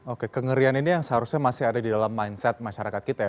oke kengerian ini yang seharusnya masih ada di dalam mindset masyarakat kita ya